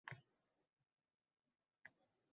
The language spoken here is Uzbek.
U uyalar, kular bejur’at: